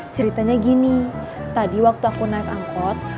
ceritanya gini tadi waktu aku naik angkot